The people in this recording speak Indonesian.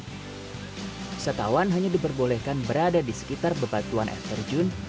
wisatawan hanya diperbolehkan berada di sekitar bebatuan air terjun